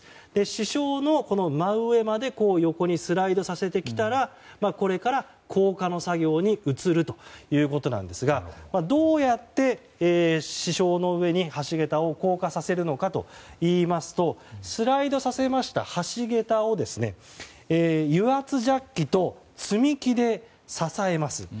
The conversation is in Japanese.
支承の真上まで横にスライドさせてきたらこれから降下の作業に移るということなんですがどうやって支承の上に橋桁を降下させるのかといいますとスライドさせました橋桁を油圧ジャッキと積み木で支えます。